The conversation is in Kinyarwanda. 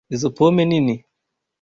Izo pome nini.